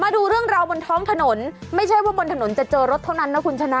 มาดูเรื่องราวบนท้องถนนไม่ใช่ว่าบนถนนจะเจอรถเท่านั้นนะคุณชนะ